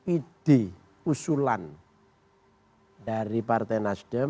ide usulan dari partai nasdem